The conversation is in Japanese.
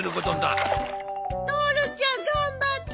トオルちゃん頑張って。